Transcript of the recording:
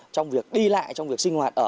trong việc đi lại trong việc sinh hoạt ở